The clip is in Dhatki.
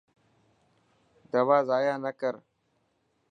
دوا زايا نا ڪر.